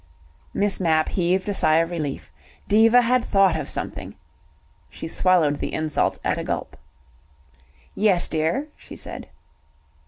Miss Mapp heaved a sigh of relief. Diva had thought of something. She swallowed the insult at a gulp. "Yes, dear," she said.